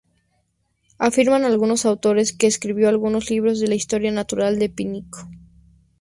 Afirman algunos autores que escribió algunos libros de la "Historia natural" de Plinio.